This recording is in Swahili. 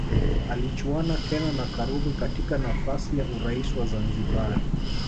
Alichuana tena na Karume katika nafasi ya urais wa Zanzibari